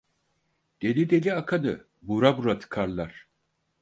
Deli deli akanı, bura bura tıkarlar.